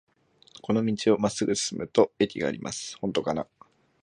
この道をまっすぐ進むと駅があります。